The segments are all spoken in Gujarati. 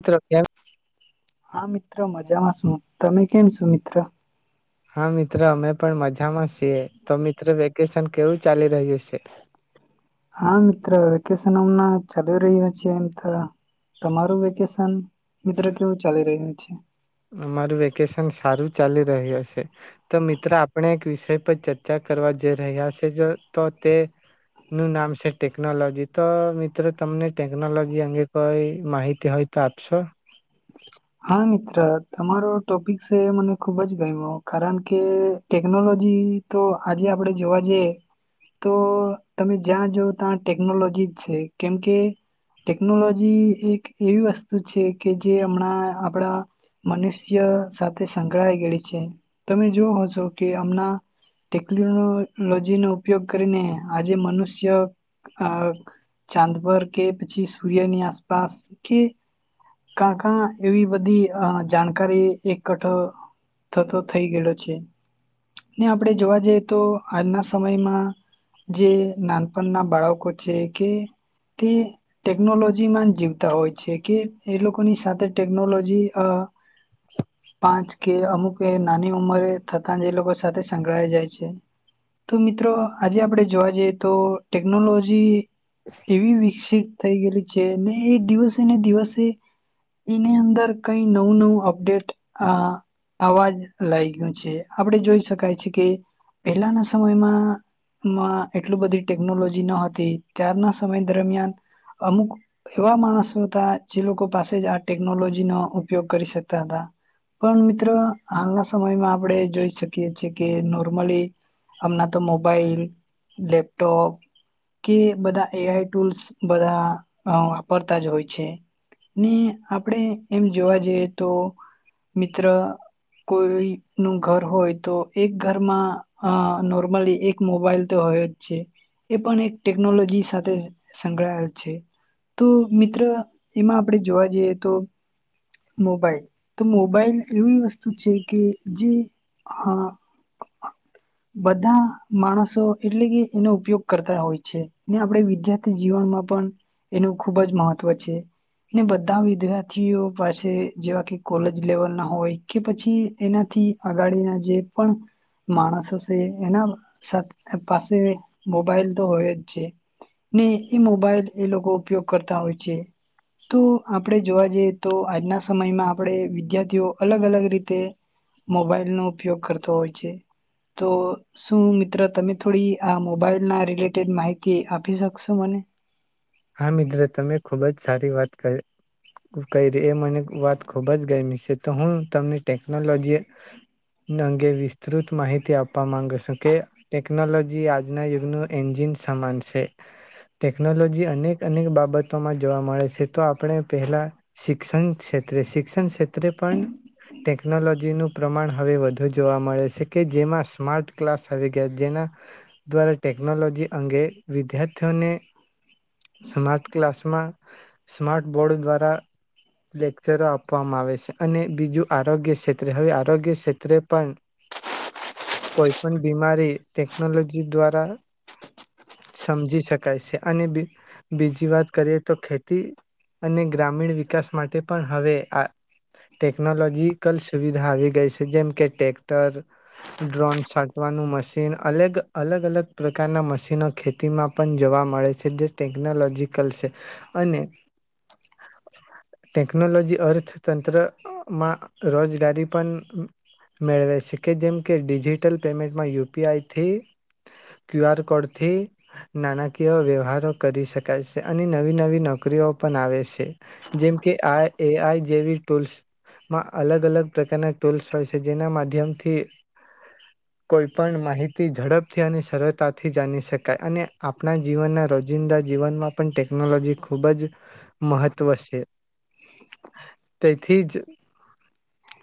મિત્ર કેમ હા મિત્ર મજામાં શું. તમે કેમ છો? મિત્ર. હા મિત્રો અમે પણ મજામાં છીએ. તો મિત્રો વેકેશન કેવું ચાલી રહ્યું છે? હા મિત્ર વેકેશન હમ ચાલી રહ્યું છે એમ તો તમારું વેકેશન મિત્ર કેવું ચાલી રહ્યું છે. અમારું વેકેશન સારું ચાલી રહ્યું હ છે તો મિત્રો આપણે એક વિષય પર ચર્ચા કરવા જઈ રહ્યા છે તો તેનું નામ છે ટેકનોલોજી તો મિત્રો તમને ટેકનોલોજી અંગે કોઈ માહિતી હોય તો આપશો. હા મિત્ર તમારો ટોપિક સે એ મને ખુબ જ ગમ્યો કારણ કે ટેકનોલોજી તો આજે આપણે જોવા જઈએ તો તમે જ્યાં જ ત્યાં ટેકનોલોજી જ છે કેમકે ટેકનોલોજી એક એવી વસ્તુ છે કે જે હમણાં આપણા મનુષ્ય સાથે સંકળાય ગયલી છે તમે જોવ હશો કે હમણા ટેકનોલોજી નો ઉપયોગ કરીને આજે મનુષ્ય આ ચાંદ પરર કે પછી સૂર્યની આસપાસ કે કા કા એવી બધી અ જાણકારી એકઠ થતો થઈ ગયેલો છે ને આપણેે જોવા જઈએ તો આજના સમયમાં જે નાનપણના બાળકો છે કે તે ટેકનોલોજીમાં જ જીવતા હોય છે કે. એ લોકોની સાથે ટેકનોલોજી અ પાંચ કે અમુક નાની ઉંમરે થતા જ એ લોકો સાથે સંકળાય જાય છે. તો મિત્રો આજે આપણે જોવા જઈએ તો ટેકનોલોજી એવી વિસિક થઈ ગયેલી છે ને એ દિવસે ને દિવસે એની અંદર કઈ નવું નવું અપડેટ આ આવાજ લાયગયું છે. આપડે જોઈ શકાય છે કે પહેલાના સમયમાં માં એટલું બધી ટેકનોલોજી ન હતી ત્યારના સમય દરમિયાન અમુક એવા માણસો હતા જે લોકો પાસે જ આ ટેકનોલોજી નો ઉપયોગ કરી શકતા હતા. પણ મિત્રો હાલના સમયમાં આપણે જોઈ શકીએ છીએ કે નોર્મલી હમના તો મોબાઈલ લેપટોપ કે બધા એ આઈ ટૂલ્સ બધા હ વાપરતા જ હોય છે. ઈ આપણેે. એમ જોવા જઈએ તો મિત્ર કોઈ નું ઘર હોય તો એક ઘરમાં અ નોર્મલી એક મોબાઈલ તો હોય જ છે. એ પણ એક ટેકનોલોજી છે. સાથે સંકળાયેલ છે તો મિત્ર એમાં આપણે જોવા જઈએ તો મોબાઈલ તો મોબાઈલ એવી વસ્તુ છે કે જે બધા માણસો એટલે કે એનો ઉપયોગ કરતા હોય છે ને આપણે વિદ્યાર્થી જીવનમાં પણ એનું ખુબ જ મહત્વ છે. ને બધા વિદ્યાર્થીઓ પાસે જેવા કે કોલેજ લેવલ ના હોય. કે પછી એનાથી અગાડીના જે પણ માણસો છે એના પાસે મોબાઈલ તો હોય જ છે ને એ મોબાઈલ એ લોકો ઉપયોગ કરતા હોય છે. તો આપ આપણે જોવા જઈએ તો આજના સમયમાં આપણે વિદ્યાર્થીઓ અલગ અલગ રીતે મોબાઈલનોો ઉપયોગ કરતો હોય છે તો શું મિત્ર તમે થોડી આ મોબાઈલ ના રિલેટેડ માહિતી આપી શકશો મને હા મિત્ર તમે ખુબ જ સારી વાત કરી ર એ મને વાત ખુબ જ ગમી છે તો હું તમને ટેકનોલોજી અંગે વિસ્તૃત માહિતી આપવા માંગુ છું કે ટેકનોલોજી આજના યુગનું એન્જિન સમાન છે ટેકનોલોજી અનેક અનેક બાબતોમાં જોવા મળે છે તો આપણે પહેલાં શિક્ષણ ક્ષેત્રે શિક્ષણ ક્ષેત્રે પણ ટેકનોલોજીનું પ્રમાણ હવે વધુ જોવા મળે છે કે જેમાં સ્માર્ટ ક્લાસ આવી ગયા જેના દ્વારા ટેકનોલોજી અંગે વિદ્યાર્થીઓને સ્માર્ટ ક્લાસમાં સ્માર્ટ બોર્ડ દ્વારા લેક્ચરો આપવામાં આવે છે અને બીજું આરોગ્ય ક્ષેત્રે હવે આરોગ્ય ક્ષેત્રે પણ કોઈ પણ બીમારી ટેકનોલોજી દ્વારા સમજી શકાય છે અને બીજી વાત કરીએ તો ખેતી અને ગ્રામીણ વિકાસ માટે પણ હવે આ ટેકનોલોજીકલ સુવિધા આવી ગઈ છે જેમ કે ટટેક્ટર ડ્રોન સાટવાનું મશીન અલગ અલગ અલગ પ્રકારના મશીનો ખેતીમાં પણ જોવા મળે છે જે ટેકનોલોજીકલ છે અને ટેકનોલોજી અર્થતંત્રમાં રોજગારી પણ મેળવે છે કે જેમ કે ડિજિટલ પેમેન્ટમાં યુપીઆઈથી ક્યુ આર કોડથી નાણાકીય વ્યવહારો કરી શકાય છે અને નવી નવી નોકરીઓ પણ આવે છે જેમકે આ એ આઈ જેવી ટૂલ્સમાં અલગ અલગ પ્રકારના ટૂલ્સ હોય છે જેના માધ્યમથી કોઈ પણ માહિત ઝડપથી અને સરળતાથી જાણી શકાય અને આપણા જીવનના રોજ જિંદા જીવનમાં પણ ટેકનોલોજી ખૂબ જ મહત્વ છે. તેથી જ,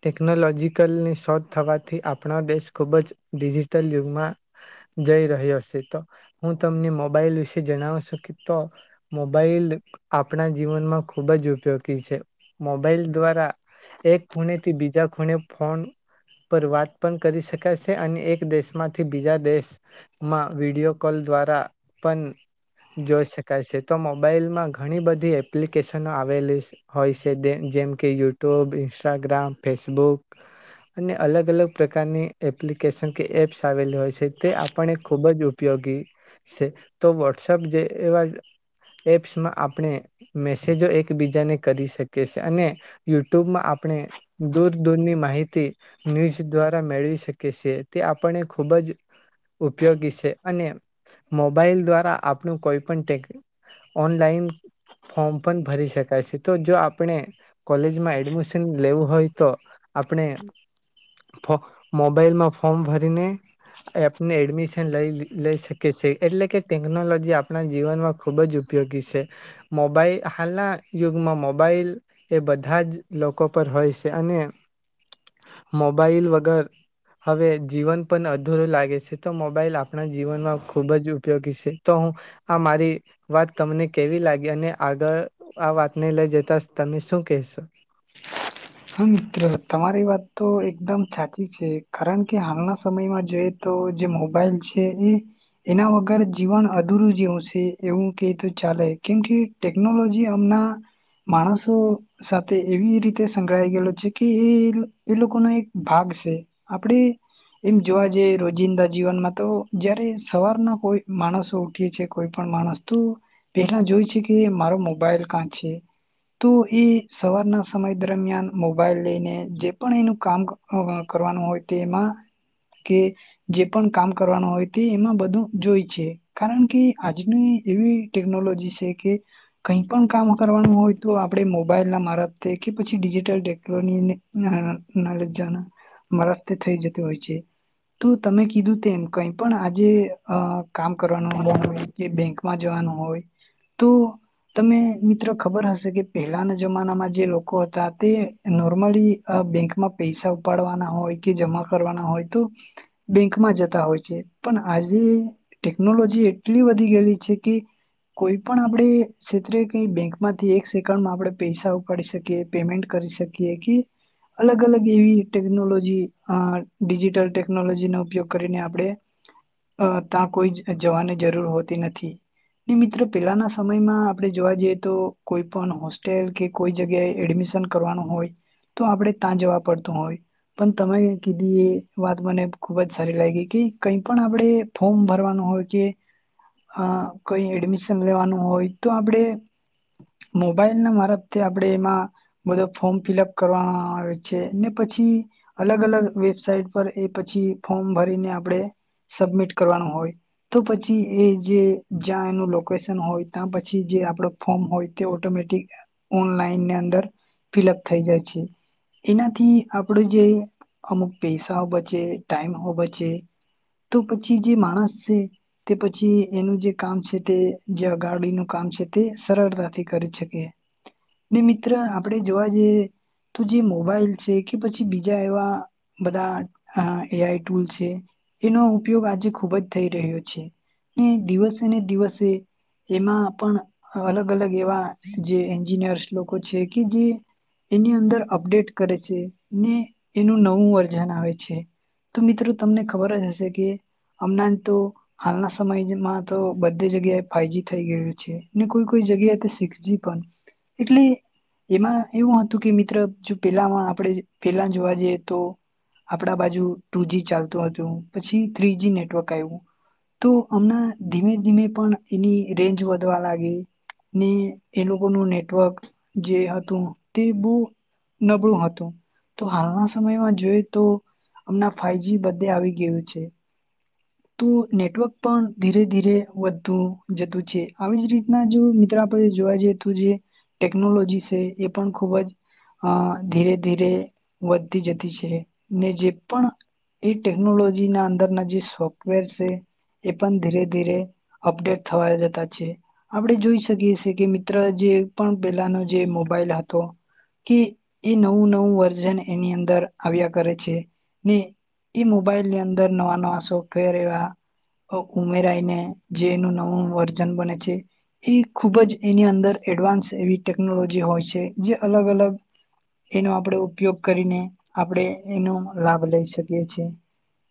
ટેકનોલોજીકલની શોધ થવાથી આપણા દેશ ખુબ જ ડિજિટલ યુગમાં જઈ રહ્યો છે. તો હું તમને મોબાઈલ વિશે જણાવશકી તો. મોબાઈલ આપણા જીવનમાં ખૂબ જ ઉપયોગી છે. મોબાઈલ દ્વારા એક ખૂણેથી બીજા ખૂણે ફોન પર વાત પણ કરી શકાય છે, અને એક દેશમાંથી બીજા દેશમાં વિડીયો કોલ દ્વારા પન જોઈ શકાય છે. તો મોબાઈલમાં ઘણી બધી એપ્લિકેશનો આવેલી હોય છે, જેમ કે યુ ટ્યુબ ઇન્સ્ટાગ્રામ, ફેસબુક અને અલગ અલગ પ્રકારની એપ્લિકેશન કે એપ્સ આવેલી હોય છે. તે આપને ખુબ જ ઉપયોગી છે. તો વ વોટ્સઅપ જે એવા એપ્સમાં આપણે મેસેજો એકબીજાને કરી શકીએ છીએ. અને યુ ટ્યુબમાં આપણે દૂર દૂરની માહિતી ન્યૂઝ દ્વારા મેળવી શકીએ છીએ. તે આપણને ખૂબ જ ઉપયોગી છે. અને મોબાઈલ દ્વારા આપણું કોઈ પણ ટે ઓનલાઈન ફોર્મ પણ ભરી શકાય છે તો જો આપણે કોલેજમાં એડમિશન લેવું હોય તો આપણે મોબાઈલમાં ફોર્મ ભરીને આપને એડમિશન લઈ લઈ શકીએ છીએ એટલે કે. ટેકનોલોજી આપણા જીવનમાં ખૂબ જ ઉપયોગી છે મોબાઈલ હાલના યુગમાં મોબાાઈલ એ બધા જ લોકો પર હોય છે અને મોબાઈલ વગર હવે જીવન પણ અધૂરો લાગે છે તો મોબાઈલ આપણા જીવનમાં ખૂબ જ ઉપયોગી છે. તો હું આ મારી વાત તમને કેવી લાગી અને આગળ આ વાતને લઈ જતા તમે શું કહેશો. હા મિત્ર તમારી વાત તો એકદમ સાચી છે કારણ કે હાલના સમયમાં જોઈએ તો જે મોબાઈલ છે એ એના વગર જીવન અધૂરું જેવું છે એવું કે તો ચાલે કેમ કે ટેકનોલોજી અમના માણસો સાથે એવી રીતે. ળાય ગ છે કે એ લોકોનો એક ભાગ છે આપણે એમ જોવા જઈ રોજિંદા જીવનમાં તો જયારે સવારના કોઈ માણસો ઉઠી છે કોઈ પણ માણસ તો પેલા જોય છે કે મારો મોબાઈલ કાં છે તો એ સવારના સમય. દરમિયાન મોબાઈલ લઈને જે પણ એનું કામ... હ કરવાનું હોય. તેમાં કે જે પણ કામ કરવાનું હોય તે એમાં બધું જોય છે કારણ કે આજની એવી ટેકનોલોજી છે કે કઈ પણ કામ કરવાનું હોય તો આપણે મોબાઈલ ના મારફથી. કે પછી ડિજિટલ ટેકનોલો મારાતે થઈ જત હોય છે તો તમે કીધું તેમ કઈ પણ આજે કામ કરવાનું હોય કે બેંકમાં જવાનું હોય તો તમે મિત્ર ખબર હશે કે પહેલાના જમાનામાં જે. હતા તે નોર્મલી બેંકમાં પૈસા ઉપાડવાના હોય કે જમા કરવાના હોય તો બેંકમાં જતા હોય છે પણ આજે ટેકનોલોજી એટલી વધી ગયેલી છે કે કોઈ પણ આપણે ક્ષેત્રે કઈ બેંકમાંથી એક સેકન્ડમાં આપણે પૈસા ઉપાડી શકીએ. કે પેમેન્ટ કરી શકીએ કે અલગ અલગ એવી ટેકનોલોજી અ ડિજિટલ ટેકનોલોજીનો ઉપયોગ કરીને આપણે ત્યાં કોઈ જવાની જરૂર હોતી નથી ને મિત્રો પેલાના સમયમાં આપણે જોવા જઈએ તો કોઈ પણ હોસ્ટેલ કે કોઈ જગ્યાએ. એડમિશન કરવાનું હોય તો આપણે તાંજવા પડતું હોય પણ તમે કીધી એ વાત મને ખુબ જ સારી લાગી કે કઈ પણ આપણે ફોર્મ ભરવાનું હોય કે અ કઈ એડમિશન લેવાનું હોય તો આપણે મોબાઈલ ના મારફથી આપણે એમાં. બધો ફોર્મ ફિલઅપ કરવામાં આવે છે ને પછી અલગ અલગ વેબસાઇટ પર એ પછી ફોર્મ ભરીને આપડે... સબમિટ કરવાનું હોય તો પછી એ જે- જ્યાં એનું લોકેશન હોય ત્યાં પછી જે આપડ ફોર્મ હોય તે ઓટોમેટિક ઓનલાઈનની અંદર... ફલઅપ થઈ જાય છે એનાથી આપડ જે અમુક પૈસા બચે ટાઈમ હો બચે તો પછી જે માણસ છે તે પછી એનું જે કામ છે તે જે અગાડીડીનું કામ છે તે સરળતાથી કરી શકીએ મિત્ર. આપણે જોવા જઈએ તો જે મોબાઈલ છે કે પછી બીજા એવા બધા એઆઈ ટૂલ છે એનો ઉપયોગ આજે ખુબ જ થઈ રહ્યો છે ને દિવસે ને દિવસે. એમાં પણ અલગ અલગ એવા જે એન્જિનિયર્સ લોકો છે. કે જે એની અંદર અપડેટ કરે છે ને એનું નવું વર્ઝન આવે છે તો મિત્રો તમને ખબર જ હશે કે હમણાં તો હાલના સમયમાં તો બધે જગ્યાએ ફાઈવ જ થઈ ગયું છે ને કોઈ કોઈ જગ્યાએ તે સિક્સ જી પણ એટલે એમાં એવું હતું કે મિત્ર જો પેલામાં આપણે પહેલા જોવા જઈએ તો આપણા બાજુ ટુ જી ચાલતું હતું પછી થ્રીજી નેટવર્ક આવ્યું તો હમણાં ધીમે ધીમે પણ એની રેન્જ વધવા લાગે ને એ લોકોનું નેટવર્ક જે. તે બહ નબળું હતું તો હાલના સમયમાં જોઈ તો હમણા ફાઈવજી બધે આવી ગયું છે. તો નેટવર્ક પણ ધીરે ધીરે વધતું જતું છે આવી જ રીતના જો મિત્ર આપણે જોવા જઈએ તો જે ટેકનોલોજી છે એ પણ ખુબ જ અ ધીરે ધીરે વધતી જતી છે ને જે પણ એ ટેકનોલોજીના અંદરના જે સ્વપ. વેર છે એ પણ ધીરે ધીરે અપડેટ થવા જતા છે આપડે જોઈ શકીએ છેએ કે મિત્ર જે પણ પેલાનો જે મોબાઈલ હતો કે એ નવું નવું વર્ઝન એની અંદર આવ્યા કરે છે ને એ મોબાઈલની અંદર નવા નવા શોખ. ફેર એવા ઉમેરાયને જે એનું નવું વર્ઝન બને છે એ ખુબ જ એની અંદર એડવાન્સ એવી ટેકનોલોજી હોય છે જે અલગ અલગ એનો આપણે ઉપયોગ કરીને આપણે એનો લાભ લઈ શકીએ છે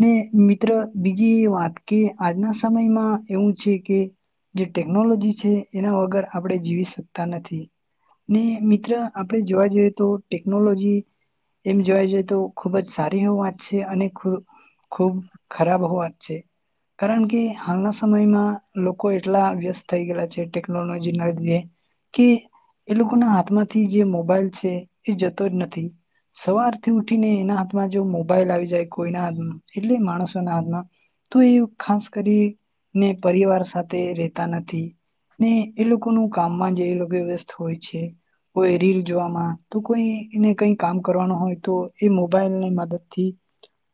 ને મિત્ર. બીજી વાત કે આજના સમયમાં એવું છે કે જે ટેકનોલોજી છે એના વગર આપણે જીવી શકતા નથી ને મિત્ર આપણે જોવા જઈએ તો ટેકનોલોજી એમ જોવા જઈએ તો ખૂબ જ સારી એ વાત છે અને ખ ખૂબ. ખરાબ હોવાત છે કારણ કે હાલના સમયમાં લોકો એટલા વ્યસ્ત થઈ ગયયા છે ટેકનોલોજી ના લીધે કે એ લોકોના હાથમાંથી જે મોબાઈલ છે એ જતો જ નથી સવારથી ઉઠીને એના હાથમાં જો મોબાઈલ આવી જાય કોઈના હાથમાં એટલે માણસ. હ તો એ ખાસ કરી ને પરિવાર સાથે રહેેતા નથી ને એ લોકોનું કામમાં જે એ લોકો વ્યસ્ત હોય છે કોઈ રીલ જોવામાં તો કોઈ એને કઈ કામ કરવાનું હોય તો એ મોબાઈલની મદદ થી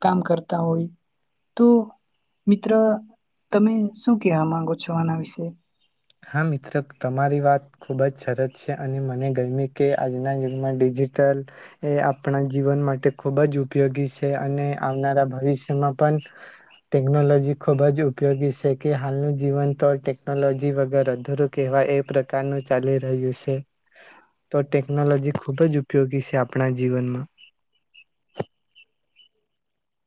કામ કરતા હોય. તો મિત્ર તમે શું કેવા માંગો છો આના વિશે. હા મિત્ર તમારી વાત ખૂબ જ સરત છે અને મને ગમે કે આજના યુગમાં ડિજિટલ એ આપણા જીવન માટે ખુબ જ ઉપયોગી છે અને આવનારા ભવિષ્યમાં પણ ટેકનોલોજી ખૂબ જ ઉપયોગી છે કે હાલનું જીવન તો ટેકનોલોજી... વગ અધરું કહેવા એ પ્રકારનું ચાલી રહ્યું છે તો ટેકનોલોજી ખુબ જ ઉપયોગી છે આપણા જીવનમાં.